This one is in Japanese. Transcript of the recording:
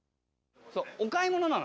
お買い物なの。